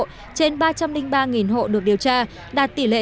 trên ba trăm linh ba hộ được điều tra đạt tỷ lệ chín mươi chín bảy mươi ba